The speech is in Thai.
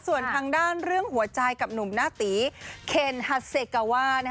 ส่วนทางด้านเรื่องหัวใจกับหนุ่มหน้าตีเคนฮัสเซกาว่า